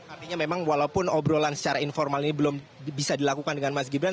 artinya memang walaupun obrolan secara informal ini belum bisa dilakukan dengan mas gibran